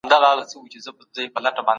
د تېرو کلونو بدمرغۍ باید بیا تکرار نه سي.